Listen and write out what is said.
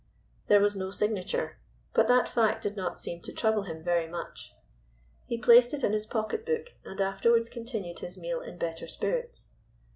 There was no signature, but that fact did not seem to trouble him very much. He placed it in his pocketbook, and afterwards continued his meal in better spirits.